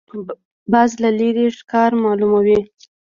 باز له لرې ښکار معلوموي